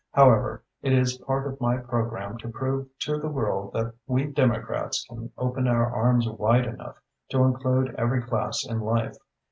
However, it is part of my programme to prove to the world that we Democrats can open our arms wide enough to include every class in life.